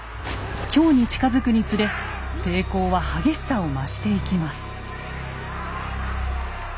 京に近づくにつれ抵抗は激しさを増していきます。